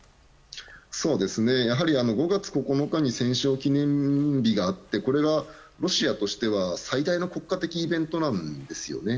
５月９日に戦勝記念日があってこれがロシアとしては最大の国家的イベントなんですよね。